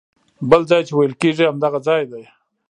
بل ځای چې ویل کېږي همدغه ځای دی.